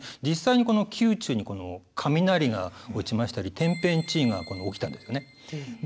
実際にこの宮中に雷が落ちましたり天変地異が起きたんですね。